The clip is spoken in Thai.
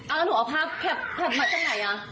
อ่าหนูเอาภาพแผ่บแผ่บมาจังไงอ่ะ